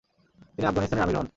তিনি আফগানিস্তানের আমির হন।